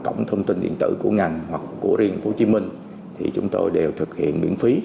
cổng thông tin điện tử của ngành hoặc của riêng hồ chí minh thì chúng tôi đều thực hiện miễn phí